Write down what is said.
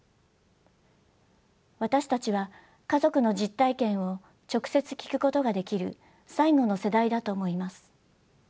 私たちは家族の実体験を直接聞くことができる最後の世代だと思います。